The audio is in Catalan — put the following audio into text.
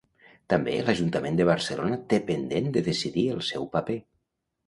També l'Ajuntament de Barcelona té pendent de decidir el seu paper.